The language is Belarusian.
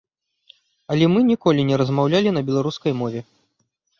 Але мы ніколі не размаўлялі на беларускай мове.